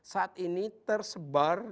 saat ini tersebar